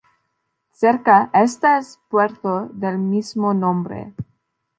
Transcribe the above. Cerca, está el puerto del mismo nombre.